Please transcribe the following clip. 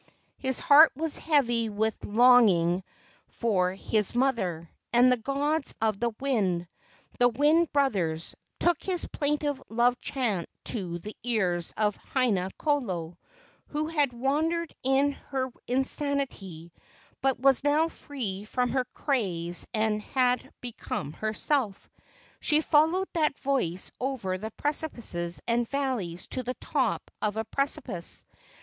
His heart was heavy with longing for his mother, and the gods of the wind, the wind brothers, took his plaintive love chant to the ears of Haina kolo, who had wandered in her insanity, but was now free from her craze and had become herself. She followed that voice over the precipices and valleys to the top of a precipice.